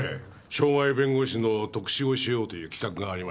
渉外弁護士の特集をしようという企画がありましてね。